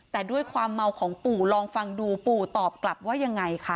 แต่ด้วยความเมาของปู่ลองฟังดูปู่ตอบกลับว่ายังไงคะ